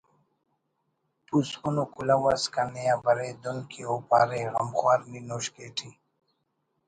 پوسکن ءُ کلہو اس کنے آ برے دُن کہ او پارے ”غمخوار نی نوشکے ٹی